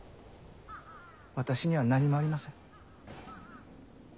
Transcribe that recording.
私には何もありません。